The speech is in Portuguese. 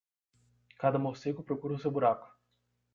Cada morcego procura o seu buraco.